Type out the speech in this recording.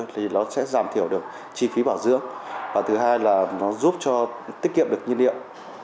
thì nó sẽ giảm thiểu được chi phí bảo dưỡng và thứ hai là nó giúp cho tiết kiệm được nhiên liệu